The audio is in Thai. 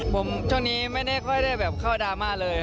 ผมช่วงนี้ไม่ได้ค่อยได้แบบเข้าดราม่าเลย